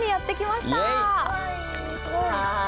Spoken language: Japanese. すごい。